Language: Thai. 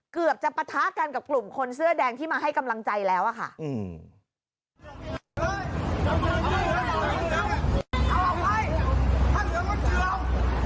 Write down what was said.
เกือบจะปะทะกันกับกลุ่มคนเสื้อแดงที่มาให้กำลังใจแล้วอะค่ะ